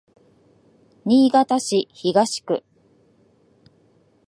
新潟市東区